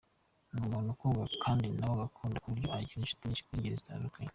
Ni umuntu ukundwa kandi nawe agakunda ku buryo agira inshuti nyinshi z’ingeri zitandukanye.